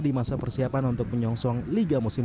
di masa persiapan untuk menyongsong liga musim dua ribu tujuh belas